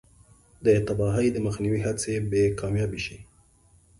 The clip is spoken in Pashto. د تباهۍ د مخنیوي هڅې به کامیابې شي.